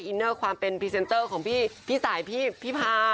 อินเนอร์ความเป็นพรีเซนเตอร์ของพี่สายพี่พา